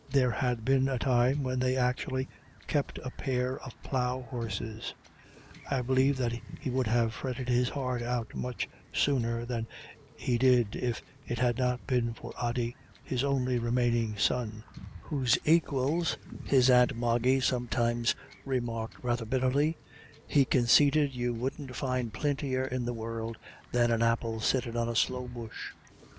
There had been a time when they had actually "kep' a pair of plough horses." I believe that he would have fretted his heart out much sooner than he did if it had not been for Ody, his only remaining son, "whose aquils," his aunt Moggy sometimes remarked rather bitterly, "he consaited you wouldn't find plintier in the world than an apple sittin' on a sloe bush."